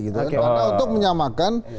karena untuk menyamakan